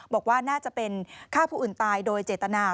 บอกว่าน่าจะเป็นฆ่าผู้อื่นตายโดยเจตนา